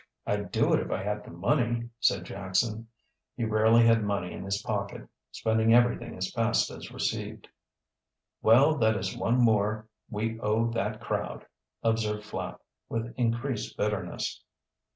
"I'd do it if I had the money," said Jackson. He rarely had money in his pocket, spending everything as fast as received. "Well, that is one more we owe that crowd," observed Flapp with increased bitterness.